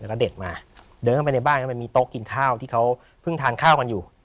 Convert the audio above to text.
แล้วก็เด็กมาเดินเข้าไปในบ้านก็มันมีโต๊ะกินข้าวที่เขาเพิ่งทานข้าวกันอยู่